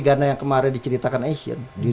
gana yang kemarin diceritakan eh di